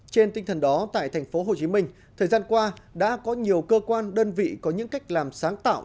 trên tinh thần đó tại tp hcm thời gian qua đã có nhiều cơ quan đơn vị có những cách làm sáng tạo